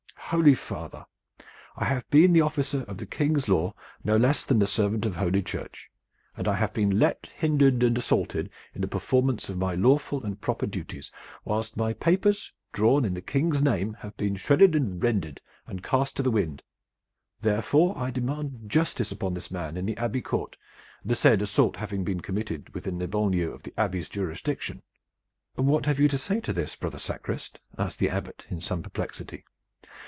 "Holy father, I have been the officer of the King's law no less than the servant of Holy Church, and I have been let, hindered and assaulted in the performance of my lawful and proper duties, whilst my papers, drawn in the King's name, have been shended and rended and cast to the wind. Therefore, I demand justice upon this man in the Abbey court, the said assault having been committed within the banlieue of the Abbey's jurisdiction." "What have you to say to this, brother sacrist?" asked the Abbot in some perplexity.